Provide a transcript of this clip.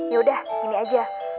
yaudah gini aja